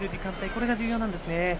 これが重要なんですね。